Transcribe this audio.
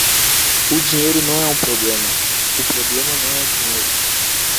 O dinheiro não é um problema, o problema não é dinheiro